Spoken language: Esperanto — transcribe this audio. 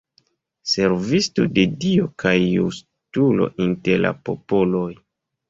Servisto de Dio kaj justulo inter la popoloj.